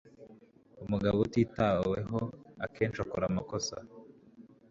Umugabo utitaweho akenshi akora amakosa.